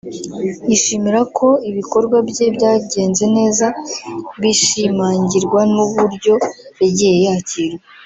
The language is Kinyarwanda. yishimira ko ibikorwa bye byagenze neza bishimangirwa n’uburyo yagiye yakirwa